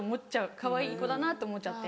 かわいい子だなと思っちゃって。